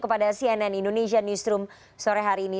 kepada cnn indonesia newsroom sore hari ini